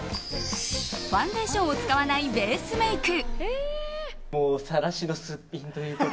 ファンデーションを使わないベースメイク。